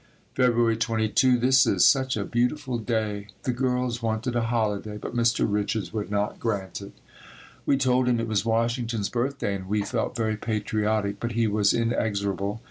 February 22. This is such a beautiful day, the girls wanted a holiday, but Mr. Richards would not grant it. We told him it was Washington's birthday and we felt very patriotic, but he was inexorable.